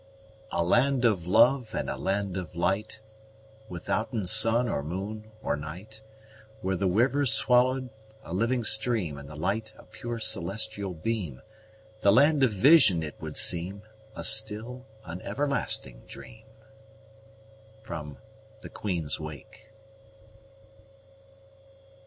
A land of love, and a land of light, Withouten sun, or moon, or night: Where the river swa'd a living stream, And the light a pure celestial beam: The land of vision, it would seem A still, an everlasting dream. _Queen's Wake.